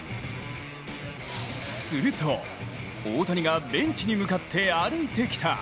すると、大谷がベンチに向かって歩いてきた。